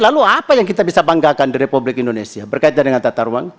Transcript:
lalu apa yang kita bisa banggakan di republik indonesia berkaitan dengan tata ruang